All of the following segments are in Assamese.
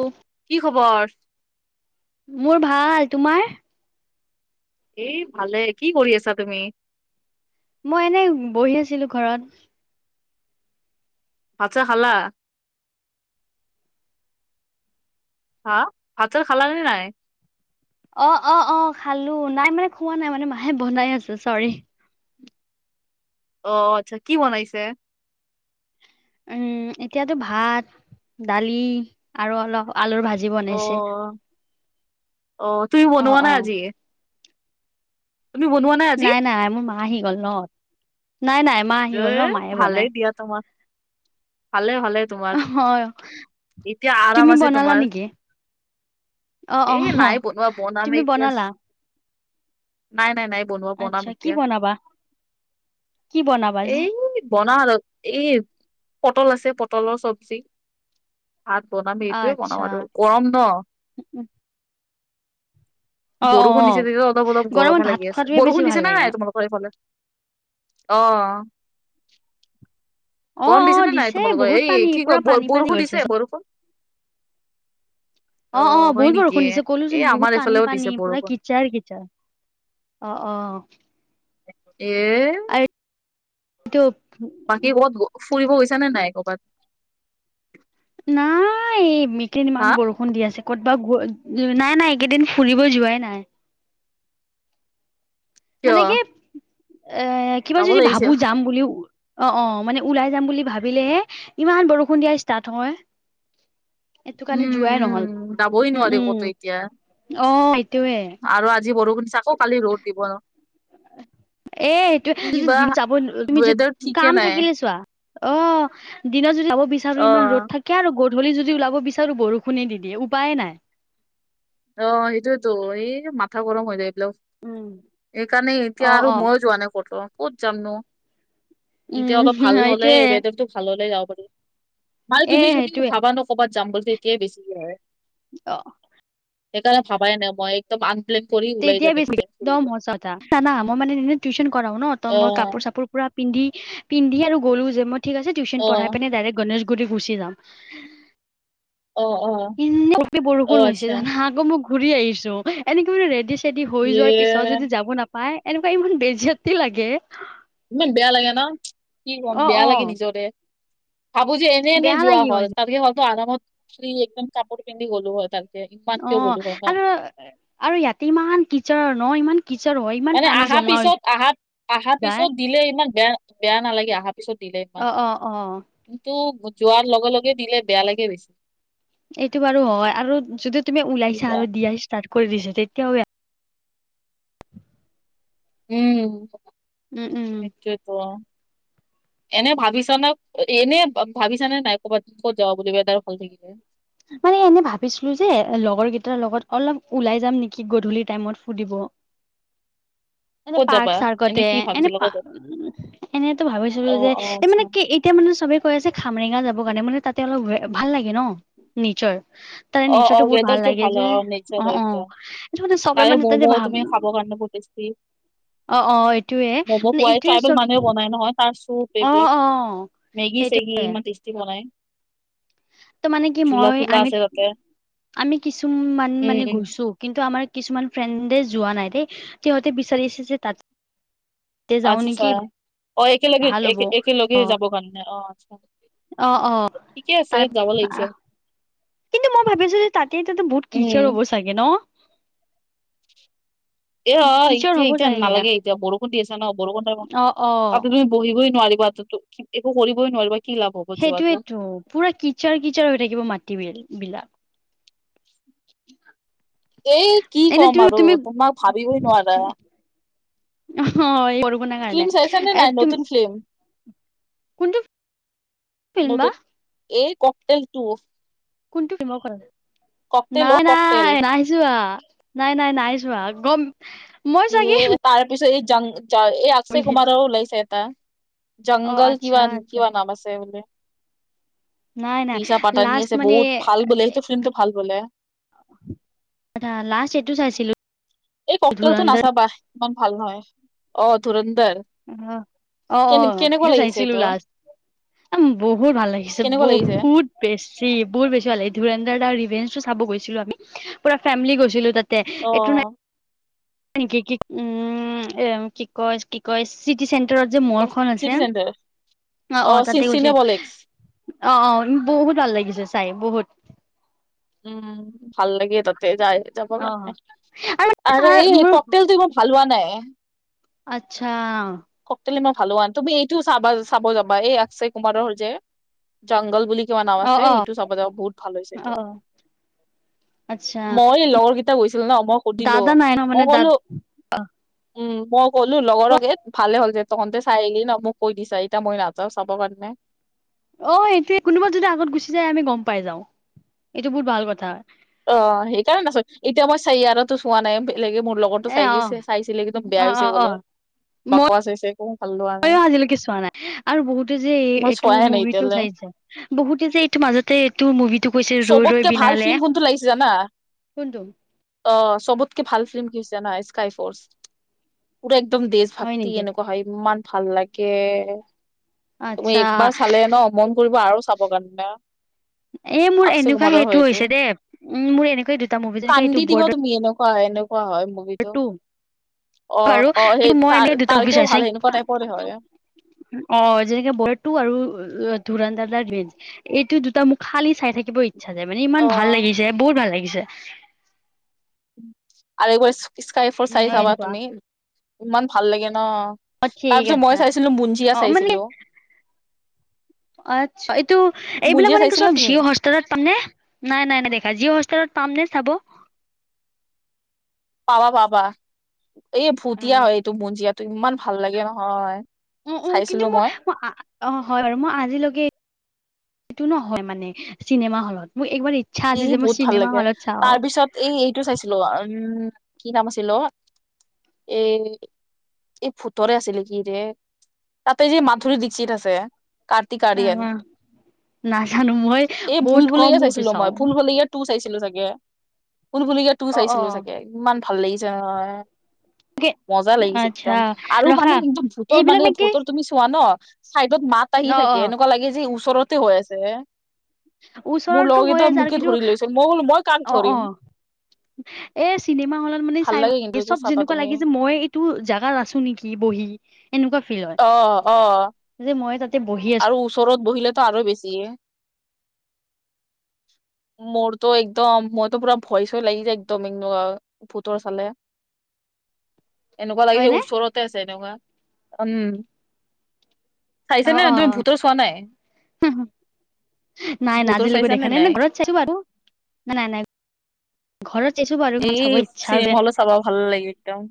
অ'ফ কি খবৰ? মোৰ ভাল, তোমাৰ? এ ভালেই, কি কৰি আছা তুমি? মই এনেই বহি আছিলোঁ‌ ঘৰত। ভাত চাত খালা? হা ভাত চাত খাল নে নাই অ অ অ খালো নাই মানে খোৱা নাই মানে মাহে বনাই আছে চৰি অ আচ্ছা কি বনাইছে উম এতিয়াতো ভাত দালি আৰু অলপ আলুৰ ভাজি অ বনাইছে অ তুমি অ বনোৱা অ নাই আজি তুমি বনোৱা নাই নাই মোৰ মা আহি গল ন নাই নাই মা আহি এ গ'ল ন মায়ে বনাই ভালেই দিয়া তোমাক ভালে ভালে তোমাৰ হয় এতিয়া আৰাম তুমি আছে বনালা তোমাৰ নেকি অ এ অ নাই বনোৱা বনাম তুমি এতিয়া বনালা নাই নাই নাই বনোৱা বনাম আচ্ছা কি এতিয়া বনাবা কি বনাবা আজি এই বনা আৰু এই পটল আছে পটলৰ চবজি ভাত বনাম এইটোৱে আচ্ছা বনাম আৰু গৰম ন অ অ বৰষুণ অ দিছে যে অলপ অলপ গৰমত গৰমে ভাত লাগি আছে খোৱাটোৱে বেছি বৰষুণ ভাল দিছে নে লাগে নাই তোমালোকৰ এইফালে অ অ গৰম অ দিছেনে নাই দিছে তোমালোকৰ বহুত পানী এই কি পুৰা পানী কয় পানী বৰষুণ গৈছে দিছে চব বৰষুণ অ অ হয় বহুত নেকি বৰষুণ দিছে এ ক'লোচোন আমাৰ বহুত পানী এইফালেও দিছে পানী পুৰা বৰষুণ কিচাৰ কিচাৰ অ অ এ টোপ বাকী কবাত ফুৰিব গৈছা নে নাই কৰ'বাত নাই এই মিকিন ইমান হা বৰষুণ বৰষুণ দি আছে ক'তবা নাই নাই এইকেইদিন ফুৰিব যোৱাই নাই কিয় মানে কি এ কিবা যাব যদি লাগিছিল ভাবো যাম বুলিও অ অ মানে ওলাই যাম বুলি ভাবিলেহে ইমান বৰষুণ দিয়া ষ্টাৰ্ট হয় এইটো কাৰণে উম যোৱাই নহল যাবই উম নোৱাৰি ক'তো এতিয়া উম অ সেইটোয়ে আৰু আজি বৰষুণ দিছে আকৌ কালি ৰ'দ দিব ন এ সেইটোৱে যাব তুমি য ৱেডাৰ ঠিকে কাম নাই থাকিলে চোৱা অ দিনত যদি যাব অ বিচাৰো ইমান ৰ'দ থাকে থাকে আৰু গধূলি যদি ওলাব বিচাৰো বৰষুণে দি দিয়ে উপায়ে নাই অ সেইটোয়েতো এই মাথা গৰম হৈ যায় এইবিলাকত এইকাৰণে এতিয়া অ' আৰু অ' মই যোৱা নে ক'তো যাম ন উম ইতিয়াবা ভাল হ'লে সেইটোয়ে ৱেদাৰটো ভাল হলে যাব পাৰিব। মানে এ তুমি যদি সেইটোয়ে ভাবা ন ক'বাত যাম বুলি তেতিয়াই বেছি হয় অ। সেইকাৰণে ভাবাই নাই মই একদম আনপ্লেন কৰি ওলাই যাম একদ। চানা মই মানে টিউচন কৰাও ন ত মই অ', কাপোৰ -চাপোৰ পুৰা। পিন্ধি পিন্ধি আৰু গ'লো যে মই ঠিক আছে টিউশচন পঢ়াই অ', পিনে ডাইৰেক্ট গণেশগুৰিত গুচি যাম। অ অ। উম বৰষুণ অ', হৈছে আচ্ছা জানা আকৌ মই ঘূৰি আহিছো এনেকে মানে ৰেডী চেডী হৈ ইয়ে যোৱাৰ পিছত যদি যাব নাপায় এনেকুৱা ইমান বেজিয়াতি লাগে। ইমান বেয়া লাগে ন কি কম অ বেয়া অ লাগে নিজৰে। ভাবো যে এনে এনে বেয়া যোৱা লাগি হ'ল গৈ তাতকে হয়তো আমৰত ফ্ৰী একদম কাপোৰ পিন্ধি গলো হয় তালে। অ আৰু আৰু ইয়াতে ইমান কিচৰ ন ইমান কিচৰ হয়। ইমান মানে পানী আহা জমা হৈ পিছত আহা আহা যায় পিছত। দিলে ইমান বেয়া-বেয়া নালাগে, আহা পিছত দিলে ইমান। অ অ অ কিন্তু যোৱাৰ লগে লগে দিলে বেয়া লাগে বেছি। এইটো বাৰু হয় আৰু যদি তুমি ওলাইছা কিবা আৰু দিয়া ষ্টাৰ্ট কৰি দিছা তেতিয়াও উম, উম উম সেইটোৱে। এনে ভাবিছ নে এনে ভাবিছানে তাই ক'বাত ক'ত যাব বুলি আৰু ভাল থাকিলে। মানে এনে ভাবিছিলো যে লগৰ কেইটাৰ লগত অলপ ওলাই যাম নেকি গধূলি টাইমত ফুৰিব। [inaudible] এনে ক'ত যাবা পাৰ্ক চাৰ্কতে কি এনে ভাবিছিলা পা ক'ত যাবা এনেতো অ ভাবিছিলো যে অ এই আচ্ছা মানে কি এতিয়া মানে চবে কৈ আছে খামৰেঙা যাব কাৰণে, মানে তাতে অলপ ভাল লাগে ন' নেচাৰ তাৰে অ অ নেচাৰটো বহুত ভাল ৱেডাৰটো লাগে হয় যে অ নেচাৰ অ' হয় একদম অ'। এইটো মানে যে চবেই তাৰে মানে ম'ম' যে ভাৱ তুমি খাব কাৰণে বহুত টেষ্টি অ' এইটোৱে ম'ম' মানে পোৱাই এইটোৱে ট্ৰাইবেল চব মানুহে বনাই নহয় চুপ অ এইবিলাক অ মেগি চেগি সেইটোয়ে ইমান টেষ্টি বনাই। ত' মানে কি জোলা মই তোলা আমি আছে তাতে আমি কিছুমান উম মানে উম গৈছো। কিন্তু আমাৰ কিছুমান ফ্ৰেণ্ডে যোৱা নাই দেই, সিহঁতে বিচাৰিছে যে তাত এই যাওঁ আচ্ছা নে আচ্ছা কি একেলগে একে-একেলগে যাব কাৰণে অ' আচ্ছা। অ অ ঠিকে আছে, যাব তাৰ লাগিছে। কিন্তু মই ভাবিছো যে তাতেটো বহুত উম কিচাৰ হ'ব চাগে ন'। অ' কিচাৰ হ'ব এতিয়া-এতিয়া চাগে নালাগে এতিয়া। বৰষুণ দি আছা ন' বৰষুণ টাইমত অ অ আৰু তুমি বহিবই নোৱাৰিবা তাতো, একো কৰিবই নোৱাৰিবা কি লাভ হ'ব জীৱনটো সেইটোৱেটো পুৰা কিচাৰ কিচাৰ হৈ থাকিব মাটি বিল-বিলাক। এই কি এনে ক'ম তুমি আৰু তুমি তোমাৰ ভাবিবই নোৱাৰা। হ' এই বৰষুণৰ কাৰণে, ফিল্ম চাইছা নে এ নাই তুম নতুন ফিল্ম নতুন [unintelligible] এই ককটেলটো কোনটো [unintelligible] ককটেল অ নাই ককটেল নাই। নাই নাই নাই যোৱা, গম মই চাগে এই তাৰপিছত এই জাং যা এই অক্ষয় বুলি কুমাৰৰ ওলাইছে এটা। অ জংগল আচ্ছা আচ্ছা কিবা-কিবা নাম আছে বোলে। নাই নাই দিছা পাটানী লাষ্ট আছে, মানে বহুত ভাল বোলে সেইটো ফিল্মটো ভাল বোলে। এটা লাষ্ট এইটো চাইছিলো। এই ককটেলতো ধুৰন্ধৰ নাচাবা ইমান ভাল নহয়। অ' ধুৰন্দৰ অহ, অ' অ' সেইটো চাইছিলো এইটো লাষ্ট। এম বহুত ভাল লাগিছে কেনেকুৱা লাগিছে বহুত। বেছি বহুত বেছি ভাল লাগে। এই ধুৰন্দৰ টুৰ ৰিভেঞ্জটো চাব গৈছিলো আমি, পুৰা ফেমিলী গৈছিলো তাত অ এইটো নাই কি কি উম, এ কি কয় কি চিটি চেণ্টাৰত যে মলখন আছে চিটি চেণ্টাৰ অ' চি তাতে গৈছিলো চিনেপলেক্স অ' অ' বহুত ভাল লাগিছিলে চাই বহুত। উম ভাল লাগে তাতে যাই যাবৰ অ কাৰণে আৰু তাৰ এই মোৰ ককতেলটো ইমান ভাল হোৱা নাই। আচ্ছা ককটেল ইমান ভাল হোৱা নাই। তুমি এইটোও চাব-চাবা যাবা এই অক্ষয় কুমাৰৰ যে জংঘল বুলি কিবা নাম অ আছে, অ সেইটো চাব যাব বহুত ভাল হৈছে এইটো। অ আচ্ছা মই লগৰ কেইটা গৈছিলো ন, মই সুধিলো দাদা নাই ন মই মানে দাদ কলো -, অ উম, মই ক'লো কোৱা লগৰক এ ভালে হ'ল দে, তহতে চাই আহিলি ন, মোক কৈ দিছা এতিয়া মই নাযাওঁ চাবৰ কাৰনে! অ সেইটোৱে কোনোবা যদি আগত গুচি যায় আমি গম পাই যাও, এইটো বহুত ভাল কথা। অ সেইকাৰণে নাচাও, এতিয়া মই চাইয়াৰাতো চোৱা নাই। বেলেগে মোৰ লগৰটো এ চাই অ গৈছে চাইছিলে, একদম বেয়া অ হৈছে অ অ বোলে বাকৱাচ হৈছে। একো ভাল লোৱা নাই ম‌ইয়ো আজিলৈকে চোৱা নাই, আৰু বহুতে যে মই এইটো চোৱাই নাই মুভিটো এতিয়ালে। চাইছে। বহুতে যে এইটো মাজতে এইটো মুভিটো কৈছিল ৰৈ ৰৈ চবতকে ভাল বিণালে! ফিল্ম কোনটো লাগিছে জানা! অ, চবতকে ভাল ফিল্ম কি হৈছে জানা স্কাই ফ'ৰ্চ পুৰা একদম বেচ। হয় ফাক্তি নেকি এনেকুৱা হয় ইমান ভাল লাগে, তুমি আচ্ছা একবাৰ চালে ন মন - মন কৰিব আৰু চাব কাৰণে। এ মোৰ অক্ষয় এনেকুৱা কুমাৰৰ হয় সেইটো এইটো হৈছে দে, উম মোৰ এনেকুৱা দু - কান্দি দিবা তুমি এনেকুৱা হয় মোৰ। টু অ বাৰু সেই কিন্তু মই এনে দুটা তাৰ মুভি তেওঁ চাইছো ভাল কেনেকুৱা টাইপৰে হয়। অ যেনেকে বোলেটটো আৰু ধুৰনদাদাৰ গ্ৰীণ এইটো দুটা মোক - খালি চাই থাকিব ইচ্ছা যায়, মানে অ ইমান ভাল লাগিছে বহুত ভাল লাগিছে। আৰু একবাৰ স্কাই ফ'ৰ্চ উম চাই হয় চাবা এনেকুৱা তুমি ইমান ভাল লাগে ন! অ তাৰ ঠিক পিছত আছে মই চাইছিলো অ বুনঞ্জীয়া মানে চাইছিলোঁ। আচ্ছা এইটো এইবিলাক বুঞ্জিয়া মানে চাইছিলা কিছুমান তুমি ভিউ - হস্তষ্টাৰত পাম নে? নাই নাই দেখা যিঅ'হতস্ত ষ্টাৰট পাম নে চাব? পাবা পাবা, এই ভুটিয়া অ' হয় এইটো বুনঞ্জিয়াটো ইমান ভাল লাগে নহয়! উ উ, কিন্তু মই ম‌ অ অ অ হয় বাৰু, মই আজিলৈকে এইটো নহয় মানে চিনেমা হলত মোৰ একবাৰ - এই বহুত ভাল লাগে, তাৰ পিছত এইটো চাইছিলো উম কি নাম আছিলো অ-' এ- এই ভূতৰে আছিলে নেকি দে, তাতে সেই মাধুৰী দীক্ষিত আছে। কাৰ্তিক‌অৰিয়ন অ' নাজানো মই এই ভুল বহুত কম ভুলায়া মুভি চাইছিলো মই। চাওঁ। ভূল ভূলায়া তো অ' চাইছিলো অ' চাগে ইমান ভাল লাগিছে নহয়! মজা লাগিছে আচ্ছা একদম আৰু ৰখা মানে একদম ভূতৰ এইবিলাক মানে নেকি ভূতৰ তুমি চোৱা ন! চাইডত মাত আহি অ' থাকে, অ' এনেকুৱা লাগে যে ওচৰতে হৈ আছে। মোৰ লগৰ ওচৰটো হৈ কেইটা আছে আৰু মোকে কিন্তু ধৰি লৈছিল মই বোলো মই কাক অ অ। ধৰিম এ চিনেমা হলত মানে চাই ভাল কিন্তু লাগে, একবাৰ চব চাবা যেনেকুৱা তুমি লাগে যে মই এইটো জোগাত আছো নেকি বহি। এনেকুৱা ফিল হয়। অ, অ, যে মই তাতে বহি আছো আৰু ওচৰত বহিলেতো আৰু বেছি -। দিএ। মোৰতো একদম মোৰতো পুৰা ভয় চয় লাগি যায় একদম আৰু ভূতৰ চালে। [inaudible] এনেকুৱা লাগে হয় যে নে ওচৰতে আছে এনেকুৱা উম। অ চাইছানে অ তুমি ভূটৰ চোৱা নাই, নাই নাই ভূটৰ আজিলৈকে চাইছা দেখা নে ন নাই? ঘৰত চাইছো বাৰু, নাই নাই, ঘৰত চাইছো বাৰু, ইমান চাব ইচ্ছা নাযায়! চাব ভাল নালাগে একদম।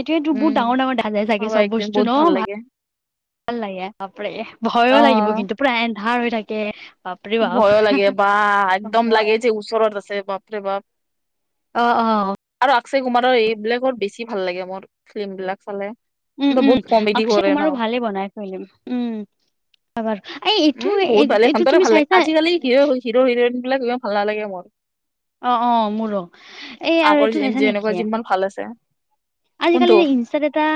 এইটোৱে টো উম বহুত ডাঙৰ ডাঙৰ দেখা যায় চাগে চাবা চব একদিন বস্তু বহুত ন ভাল ভা লাগে -। ভাল লাগে বাপৰে অ ভয়ো লাগিব কিন্তু পুৰা এন্ধাৰ হৈ থাকে। বাপৰে বাপ ভয়ো লাগে বা একদম লাগে যে ওচৰত আছে বাপৰে বাপ, অ' অ' আৰু অক্ষয় কুমাৰৰ এইবিলাকৰ বেছি ভাল লাগে মোৰ ফিল্ম বিলাক চালে। উম -উম বহুত কমেডি অক্ষয় কৰে ন কুমাৰো ভালে বনাই ফিল্ম উম। বাৰ এই এইটো এইটো তুমি চাইছা আজি কালি হিৰ হিৰো হিৰইন বিলাক ইমান ভাল নালাগে মোৰ। অ অ মোৰো এই আৰু আগৰ এইটো চাইছা নেকি যেনেকুৱা যিমান ভাল আছে। আজিকালি কোনটো যে ইনষ্টাত এটা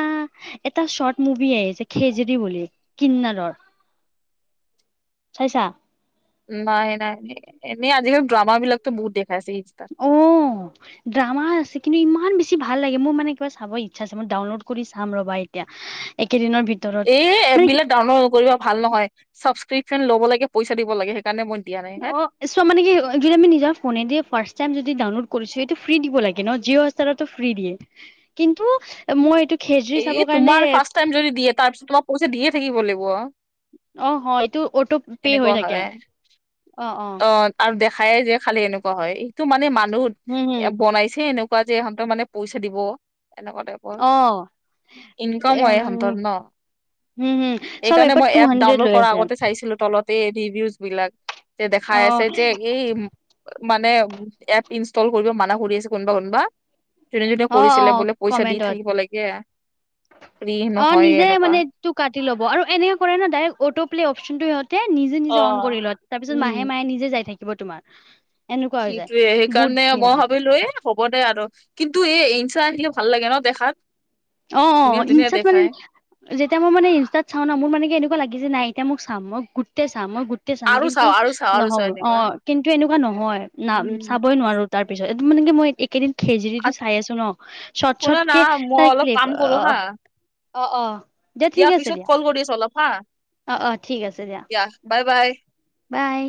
এটা চৰ্ট মুভি আহিছে খেজেৰি বুলি কিন্নৰৰ। চাইছা? নাই -নাই ন এনে আজিকালি ড্ৰামা বিলাকটো বহুত দেখাইছে ইনষ্ট্ৰাত। অ', ড্ৰামা আছে কিন্তু ইমান বেছি ভাল লাগে, মোৰ মানে কিবা চাব ইচ্ছা আছে মই ডাউনলোড কৰি চাম ৰবা এতিয়া। একেদিনৰ ভিতৰত এই এপ মানে কি বিলাক ডাউনলোড নকৰিবা ভাল নহয় ছাবস্ক্ৰিশ্যন ল'ব লাগে পইচা দিব লাগে। সেইকাৰণে মই দিয়া নাই হে অ', চোৱা মানে কি যদি আমি নিজ ফোনেদি ফাৰ্ষ্ট টাইম যদি ডাউনলোড কৰিছো এইটো ফ্ৰী দিব লাগে ন জিঅ' ফ্ৰী দিয়ে কিন্তু মই এইটো খেজ চাব এই কাৰণে তোমাৰ ফাৰ্ষ্ট টাইম যদি দিয়ে তাৰ পিছত তোমাৰ পইচা দিয়ে থাকিব লাগিব। অ' হয় এইটো অটো পে হৈ এনেকুৱা থাকে হয় অ' অ'। আৰু দেখায়ে যে খালি এনেকুৱা হয় সেইটো মানে মানুহ হম, হম, এ বনাইছে এনেকুৱা কোৱা যে ইহঁত মানে পইচা দিব এনেকুৱা টাইপ। অ' ইনকাম হয় উম, ইহঁতৰ ন' হম, হম, চব সেইকাৰণে এপত মই টু এপ হাণ্ড্ৰেড ডাউনলোড লৈ কৰাৰ আছে আগতে চাইছিলো তলত। ৰিভিউজ বিলাক যে দেখাই আছে অ', যে এই মানে এপ ইনষ্টল কৰিব মানা কৰি আছে কোনোবা কোনোবা। যোনে যোনে অ', কৰিছিলে অ', বোলে পইচা দি কমেন্টত থাকিব লাগে ফ্ৰী নহয় এনেকুৱা। তটো কাটি ল'ব আৰু এনে কৰে ন ডাইৰেক্ট অটো' প্লে অফিচ টো সিহঁতৰ তে নিজে নিজে অন কৰি লয় তাৰপিছত মাহে উম মাহে নিজে যাই থাকিব তোমাৰ। এনেকুৱা হৈ যায় সেইটোয়ে বহুত সেইকাৰণে ধুনীয়া। মই ভাবিলোৱে হ'ব দে আৰু কিন্তু এই আহিলে ভাল লাগে ন দেখাত অ অ ধুনীয়া ধুনীয়া ইনষ্টাত মানে দেখাই। যেতিয়া মই মানে ইনষ্টাত চাও ন মোৰ মানে এনেকুৱা লাগি যে নাই এতিয়া মোক চাম মই গোটেই চাম মই চাম আৰু কিন্তু চাও আৰু চাও আৰু নহব চাও এনেকুৱা অ' কিন্তু এনেকুৱা নহয় ন চাবই উম নোৱাৰো। তাৰ পিছত এইটো মানে কি মই এই একেইদিন খেজৰিটো চাই আছো ন। চট শুনা না চটকে মই তাই অলপ ক্লে কাম কৰো হা আহ অ' অ', দিয়া পিছত কল কৰি আছ অলপ হা। অ' অ' ঠিক আছে দিয়া। দিয়া বাই বাই, বাই।